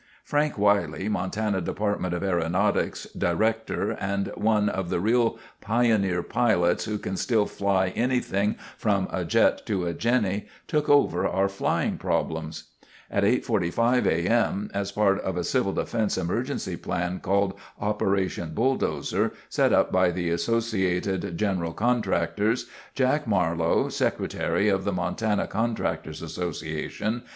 "Frank Wiley, Montana Dept. of Aeronautics director and one of the real pioneer pilots who can still fly anything from a jet to a Jenny, took over our flying problems." At 8:45 A. M., as part of a CD emergency plan called "Operation Bulldozer," set up by the Associated General Contractors, Jack Marlowe, secretary of the Montana Contractors' Assn.